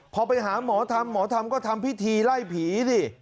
พอไปหาหมอทำหมอทำก็ทำพิธีไล่ผีสิ